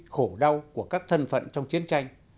khổ đau của các thân phận trong chiến tranh